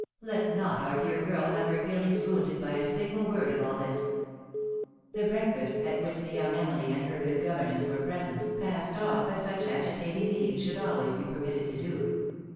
Let not our dear girl have her feelings wounded by a single word of aU this." The breakfast, at which the young Emily and her good governess were present, passed off as such agitaling meetings should always be permitted to do.